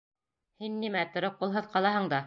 — Һин нимә, тере ҡулһыҙ ҡалаһың даһа.